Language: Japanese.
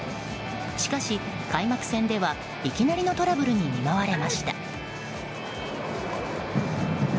しかし、開幕戦ではいきなりのトラブルに見舞われました。